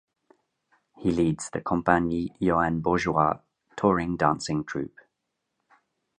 He leads the Compagnie Yoann Bourgeois touring dancing troupe.